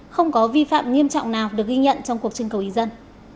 không có vi phạm nghiêm trọng nào được ghi nhận trong cuộc trưng cầu ý dân